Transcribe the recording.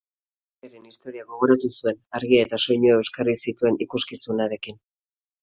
Irratiaren historia gogoratu zuen argia eta soinua euskarri zituen ikuskizunarekin.